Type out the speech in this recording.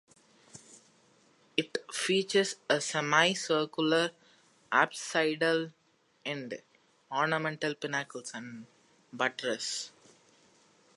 It features a semi-circular apsidal end, ornamental pinnacles, and buttresses.